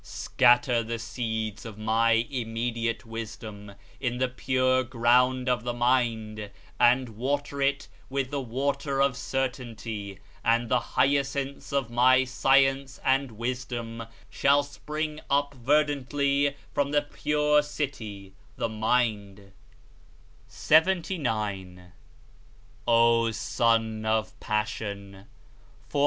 Scatter the seeds of My Immediate Wisdom, in the pure ground of the mind, and water it with the water of Certainty, and the Hyacinths of My Science and Wisdom shall spring up verdantly from the Pure City [the mind]. 79. O SON OF DESIRE!